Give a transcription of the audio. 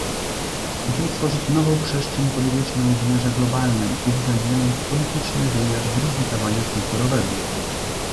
Musimy stworzyć nową przestrzeń polityczną w wymiarze globalnym, uwzględniając polityczny wymiar zróżnicowania kulturowego